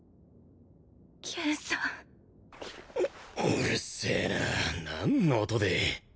うるせえなぁ何の音でぇ？